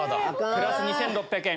プラス２６００円。